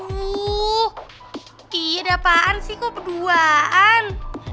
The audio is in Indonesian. tuh kira apaan sih kok berduaan